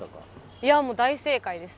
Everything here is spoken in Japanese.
いやもう大正解です。